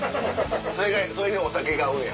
それにお酒が合うねや。